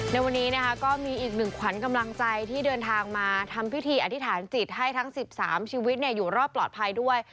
ในวันนี้นะคะก็มีอีกหนึ่งขวัญกำลังใจที่เดินทางมาทำพิธีอธิษฐานจิตให้ทั้ง๑๓ชีวิตอยู่รอดปลอดภัยด้วย